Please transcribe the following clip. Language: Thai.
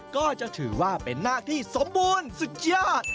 ก็จะถือว่าเป็นหน้าที่สมบูรณ์สุดยอด